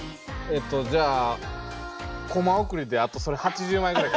えっとじゃあコマ送りであとそれ８０枚ぐらい。